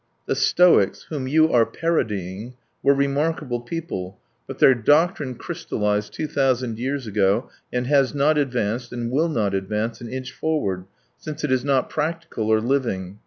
"The Stoics, whom you are parodying, were remarkable people, but their doctrine crystallized two thousand years ago and has not advanced, and will not advance, an inch forward, since it is not practical or living.